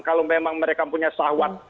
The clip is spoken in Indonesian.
kalau memang mereka punya sahwat